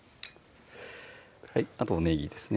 あとねぎですね